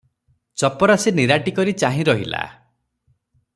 ଚପରାଶି ନିରାଟିକରି ଚାହିଁ ରହିଲା ।